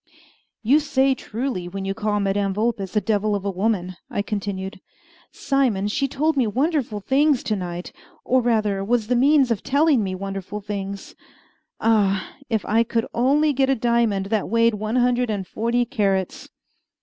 "You say truly when you call Madame Vulpes a devil of a woman," I continued. "Simon, she told me wonderful things to night, or rather was the means of telling me wonderful things. Ah! if I could only get a diamond that weighed one hundred and forty carats!"